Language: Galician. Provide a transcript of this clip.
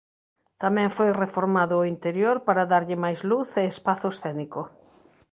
Tamén foi reformado o interior para darlle máis luz e espazo escénico.